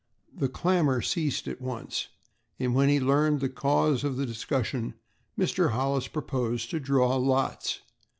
The clamor ceased at once and when he learned the cause of the discussion, Mr. Hollis proposed to draw lots.